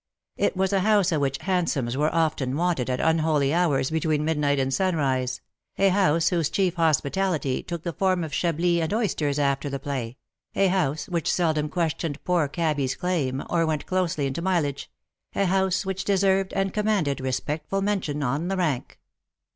It was a house at which hansoms were often wanted at unholy hours between midnight and sunrise — a house whose chief hospitality took the form of chablis and oysters after the play — a house which seldom questioned poor cabby^s claim or went closely into mileage— a house which deserved and commanded respectful mention on the rank.